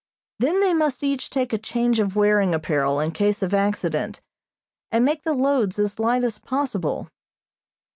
Then they must each take a change of wearing apparel in case of accident, and make the loads as light as possible.